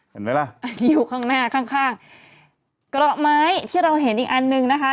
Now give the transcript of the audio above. เห็นไหมล่ะที่อยู่ข้างหน้าข้างข้างเกราะไม้ที่เราเห็นอีกอันนึงนะคะ